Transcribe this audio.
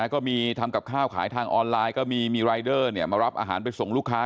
ก็มีทำกับข้าวขายทางออนไลน์ก็มีรายเดอร์มารับอาหารไปส่งลูกค้า